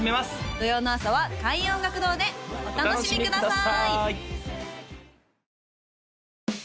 土曜の朝は開運音楽堂でお楽しみください！